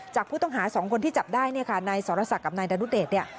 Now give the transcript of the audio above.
จากผู้ต้องหา๒คนที่จับได้นายสรษะกับนายดานุเตฤ